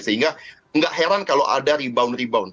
sehingga nggak heran kalau ada rebound rebound